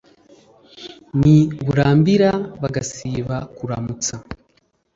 n'i burambira bagasiba kuramutsa.